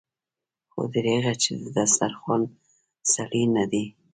خو دريغه چې د دسترخوان سړی نه دی.